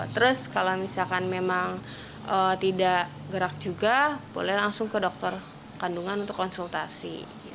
terus kalau misalkan memang tidak gerak juga boleh langsung ke dokter kandungan untuk konsultasi